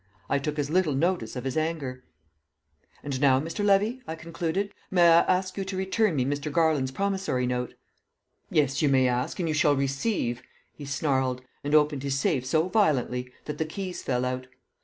I took as little notice of his anger. "And now, Mr. Levy," I concluded, "may I ask you to return me Mr. Garland's promissory note?" "Yes, you may ask and you shall receive!" he snarled, and opened his safe so violently that the keys fell out.